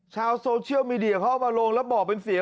ชาวโซเชียลมีเดียเขาเอามาลงแล้วบอกเป็นเสียง